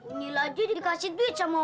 onyil aja dikasih duit sama om